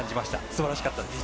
すばらしかったです。